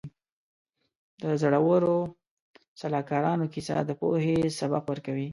د زړورو سلاکارانو کیسه د پوهې سبق ورکوي.